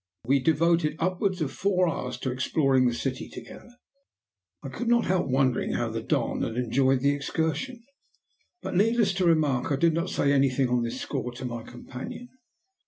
"We devoted upwards of four hours to exploring the city together." I could not help wondering how the Don had enjoyed the excursion, but, needless to remark, I did not say anything on this score to my companion.